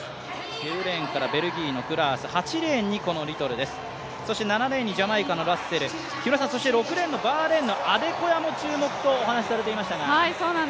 ９レーンからベルギーのクラース、８レーンにリトルです、７レーンにジャマイカのラッセル、６レーンのバーレーンのアデコヤも注目とお話しされていましたが。